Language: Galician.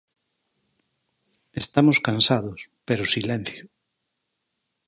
Estamos cansados, pero silencio.